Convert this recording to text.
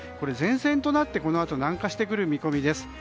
前線となってこのあと南下してくる見込みです。